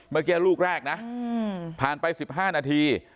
เมื่อกี้ลูกแรกนะผ่านไป๑๕นาที